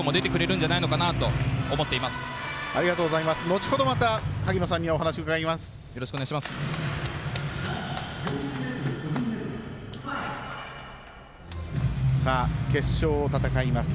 後ほど、また萩野さんにはお話を伺います。